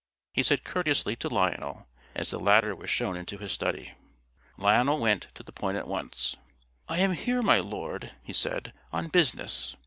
he said courteously to Lionel, as the latter was shown into his study. Lionel went to the point at once. "I am here, my lord," he said, "on business.